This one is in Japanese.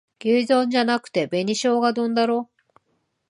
牛丼じゃなくて紅しょうが丼だろ